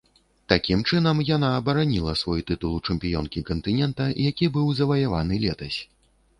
Такім чынам яна абараніла свой тытул чэмпіёнкі кантынента, які быў заваяваны летась.